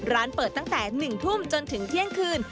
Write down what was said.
ร้านเปิดตั้งแต่๑ทุ่มจนถึงเที่ยงคืน